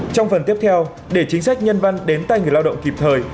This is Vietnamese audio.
trong phần tiếp theo để chính sách nhân văn đến tay người lao động kịp thời